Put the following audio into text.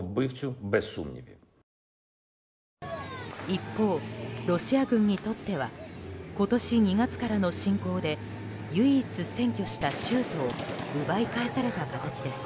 一方、ロシア軍にとっては今年２月からの侵攻で唯一、占拠した州都を奪い返された形です。